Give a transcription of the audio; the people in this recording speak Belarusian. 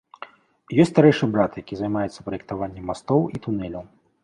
Ёсць старэйшы брат, які займаецца праектаваннем мастоў і тунэляў.